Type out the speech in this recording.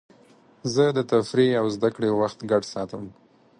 زه د تفریح او زدهکړې وخت ګډ ساتم.